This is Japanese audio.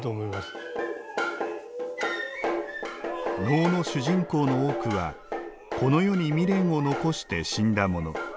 能の主人公の多くはこの世に未練を残して死んだ者。